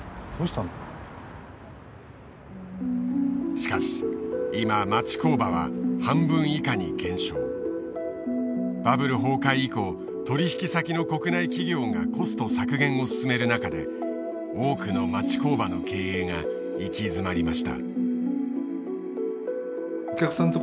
しかし今町工場はバブル崩壊以降取引先の国内企業がコスト削減を進める中で多くの町工場の経営が行き詰まりました。